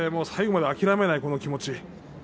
最後まで諦めない気持ち